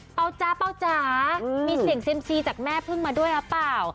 จ๊ะเป้าจ๋ามีเสียงเซ็มซีจากแม่พึ่งมาด้วยหรือเปล่า